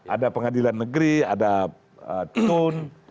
ada pengadilan negeri ada tun